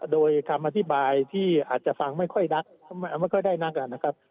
โดยคำอธิบายที่อาจจะฟังไม่ค่อยนักไม่ค่อยได้นักนะครับ